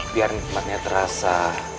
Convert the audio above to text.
biar nikmatnya terasa